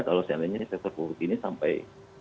kalau seandainya sektor properti ini sampai